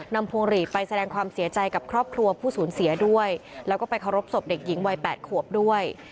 พวงหลีดไปแสดงความเสียใจกับครอบครัวผู้สูญเสียด้วยแล้วก็ไปเคารพศพเด็กหญิงวัย๘ขวบด้วย